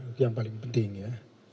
itu yang paling penting ya